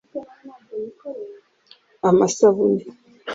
amasabune